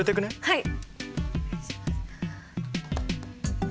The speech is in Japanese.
はい。